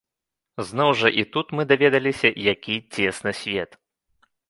Зноў жа, і тут мы даведаліся, які цесны свет.